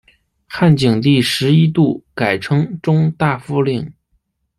汉景帝时一度改称中大夫令。